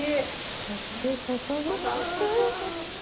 そして注ぎます。